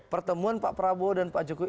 pertemuan pak prabowo dan pak jokowi